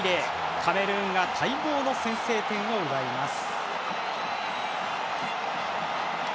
カメルーンが待望の先制点を奪います。